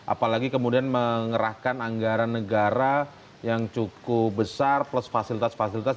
apalagi kemudian mengerahkan anggaran negara yang cukup besar plus fasilitas fasilitas